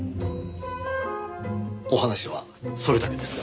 お話はそれだけですか？